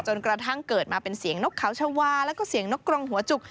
จนกระทั่งเกิดมาเป็นเสียงนกเขาชาวาแล้วก็เสียงนกกรงหัวจุก